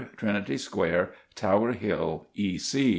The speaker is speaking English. TRINITY SQUARE, TOWER HILL, E.